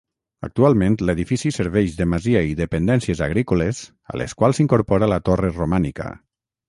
Actualment l'edifici serveix de masia i dependències agrícoles a les quals s'incorpora la torre romànica.